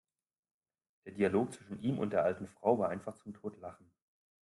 Der Dialog zwischen ihm und der alten Frau war einfach zum Totlachen!